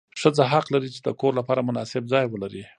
ښځه حق لري چې د کور لپاره مناسب ځای ولري.